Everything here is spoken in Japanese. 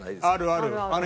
あるある。